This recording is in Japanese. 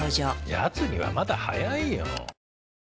やつにはまだ早いよ。